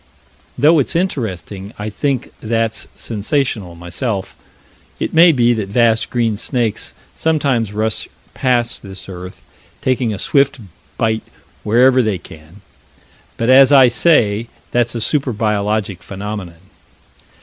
Though it's interesting, I think that's sensational, myself. It may be that vast green snakes sometimes rush past this earth, taking a swift bite wherever they can, but, as I say, that's a super biologic phenomenon.